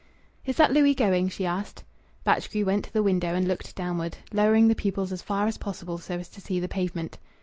"Is that Louis going?" she asked. Batchgrew went to the window and looked downward, lowering the pupils as far as possible so as to see the pavement.